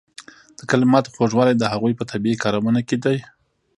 د کلماتو خوږوالی د هغوی په طبیعي کارونه کې دی.